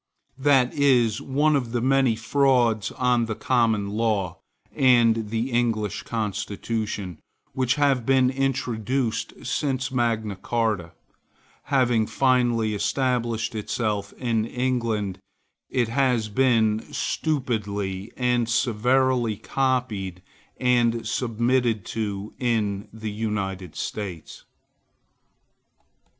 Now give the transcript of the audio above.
That is one of the many frauds on the Common Law, and the English constitution, which have been introduced since Magna Carta. Having finally established itself in England, it has been stupidly and servilely copied and submitted to in the United States.